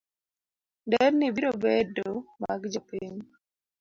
Nderni biro bedo mag jopiny.